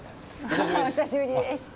お久しぶりです